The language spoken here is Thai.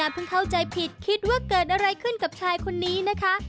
เพิ่งเข้าใจผิดคิดว่าเกิดอะไรขึ้นกับชายคนนี้นะคะ